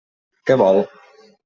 Què vol?